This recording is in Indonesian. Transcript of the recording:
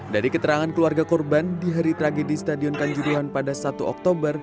dari keterangan keluarga korban di hari tragedi stadion kanjuruhan pada satu oktober